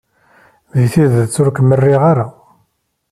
Deg tidet, ur kem-riɣ ara.